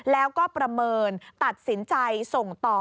แล้วก็ประเมินตัดสินใจส่งต่อ